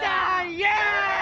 イエイ！」。